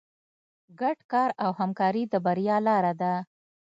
ګډ کار او همکاري د بریا لاره ده.